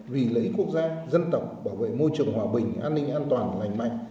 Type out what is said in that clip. vì lấy quốc gia dân tộc bảo vệ môi trường hòa bình an ninh an toàn lành mạnh